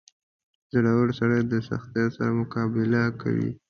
• زړور سړی د سختیو سره مقابله کوي.